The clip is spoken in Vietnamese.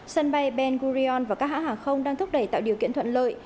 sân bay ben gurion và các hãng hàng không đang thúc đẩy tạo điều kiện thuận lợi